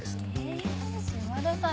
島田さん